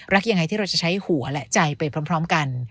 ยังไงที่เราจะใช้หัวและใจไปพร้อมกัน